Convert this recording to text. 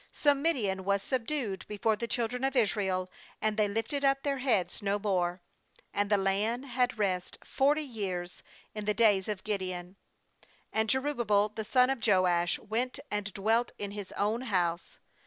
28So Midian was subdued before the chil dren of Israel, and they lifted up their heads no more. And the land had rest forty years in the days df Gideon. 29And Jerubbaal the son of Joash went and dwelt in his own house.